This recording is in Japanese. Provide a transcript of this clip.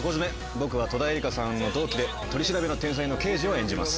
僕は戸田恵梨香さんの同期で取り調べの天才の刑事を演じます。